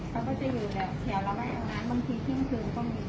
เขาก็จะอยู่แหละแถวเราไม่เอางั้นบางทีที่ที่คืนก็มี